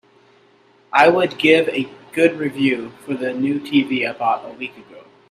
I would give a good review of the new TV I bought a week ago.